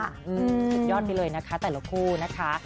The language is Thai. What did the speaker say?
สุดยอดไปเลยนะคะแต่ละคู่นะคะ